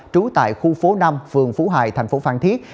trú tại khu phố năm phường phú hải thành phố phan thiết